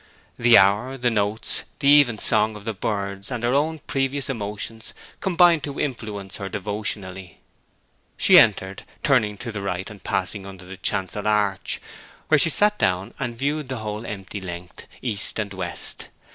The hour, the notes, the even song of the birds, and her own previous emotions, combined to influence her devotionally. She entered, turning to the right and passing under the chancel arch, where she sat down and viewed the whole empty length, east and west.